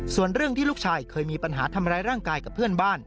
ส่วนเรื่องที่ลูกชายเคยมีปัญหาทำร้ายร่างกายกับเพื่อนบ้าน